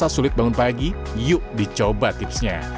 rasa sulit bangun pagi yuk dicoba tips nya